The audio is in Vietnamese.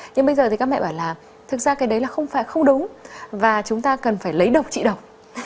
nhưng bây giờ thì các mẹ bảo là thực ra cái đấy là không phải không đúng và chúng ta cần phải lấy độc trị độc